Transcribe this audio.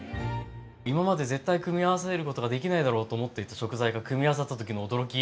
今まで絶対組み合わせることができないだろうと思っていた食材が組み合わさった時の驚き！